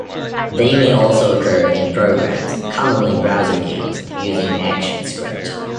They may also occur in programs, commonly browser games, using ActionScript.